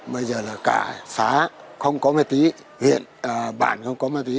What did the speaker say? bây giờ là cả xã không có ma túy huyện bản không có ma túy